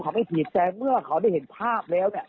เขาไม่ผิดแต่เมื่อเขาได้เห็นภาพแล้ว